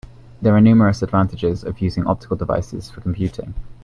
There are numerous advantages of using optical devices for computing.